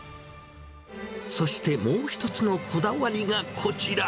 そしてもう一つのこだわりがこちら。